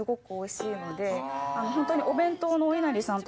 ホントに。